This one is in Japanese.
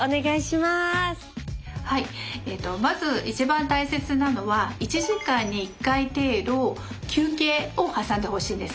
はいまず一番大切なのは１時間に１回程度休憩を挟んでほしいんですね。